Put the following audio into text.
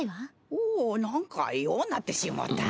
おおなんかようなってしもうた。